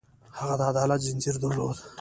هغه د عدالت ځنځیر درلود.